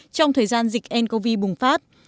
trong thời gian dịch ncov bùng phát